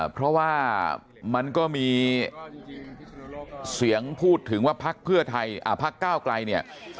เพราะว่ามันก็มีเสียงพูดถึงว่าพรรคเพื่อไทยพรรคก้าวไกล